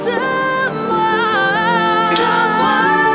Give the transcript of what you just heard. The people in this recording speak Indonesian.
itu lelah kamu